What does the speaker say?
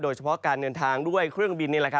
โดยเฉพาะการเดินทางด้วยเครื่องบินนี่แหละครับ